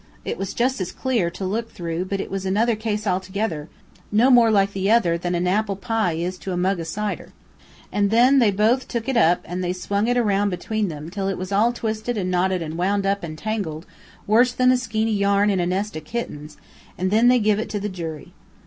It was jus' as clear, to look through, but it was another case altogether, no more like the other one than a apple pie is like a mug o' cider. An' then they both took it up, an' they swung it around between them, till it was all twisted an' knotted an' wound up, an' tangled, worse than a skein o' yarn in a nest o' kittens, an' then they give it to the jury.